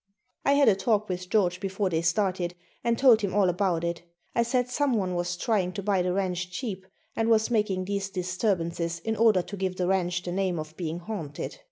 I had a talk with George before they started and told him all about it. I said some one was trying to buy the ranch cheap and was making these disturbances in order to give the ranch the name of being haunted.